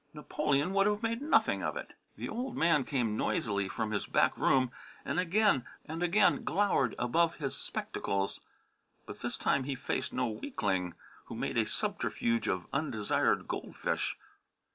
Napoleon would have made nothing of it. The old man came noisily from his back room and again glowered above his spectacles. But this time he faced no weakling who made a subterfuge of undesired goldfish.